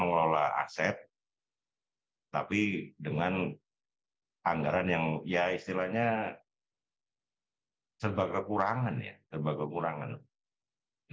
nah alasan sejak c delta mengisi ada pendapatan tersebut